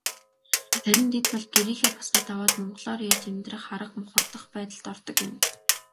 Харин тэд бол гэрийнхээ босгыг даваад монголоор ярьж амьдрах арга мухардах байдалд ордог юм.